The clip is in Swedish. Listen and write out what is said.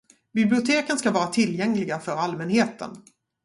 Biblioteken ska vara tillgängliga för allmänheten.